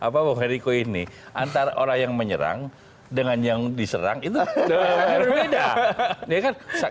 pak heriko ini antara orang yang menyerang dengan yang diserang itu berbeda